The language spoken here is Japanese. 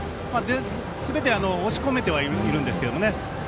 すべて押し込めているんですが。